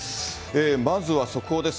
まずは速報です。